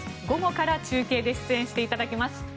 午後から中継で出演していただきます。